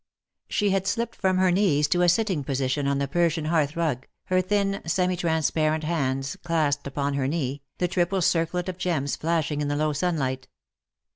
She had slipped from her knees to a sitting position on the Persian hearthrug, her thin, semi transparent hands clasped upon her knee, the triple circlet of gems flashing in the low sunlight.